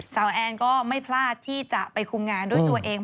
แอนก็ไม่พลาดที่จะไปคุมงานด้วยตัวเอง